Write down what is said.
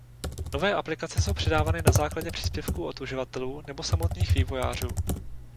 Nové aplikace jsou přidávány na základě příspěvků od uživatelů nebo samotných vývojářů.